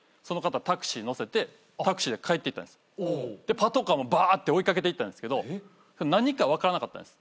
パトカーもバーッて追い掛けていったんですけど何か分からなかったんです。